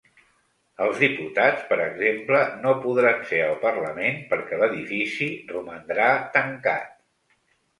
Els diputats, per exemple, no podran ser al parlament perquè l’edifici romandrà tancat.